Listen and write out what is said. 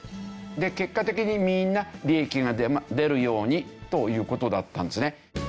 で結果的にみんな利益が出るようにという事だったんですね。